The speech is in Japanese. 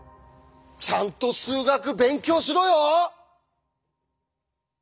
ちゃんと数学勉強しろよ！